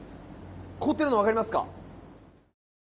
凍ってるの、わかりますか？